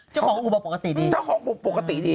เจ้าของก็อุบบอกปกติดีเจ้าของปกติดี